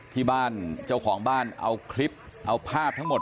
ที่บ้านเจ้าของบ้านเอาคลิปเอาภาพทั้งหมด